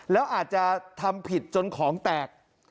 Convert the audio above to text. แล้วอาจจะทำผิดจนของแตก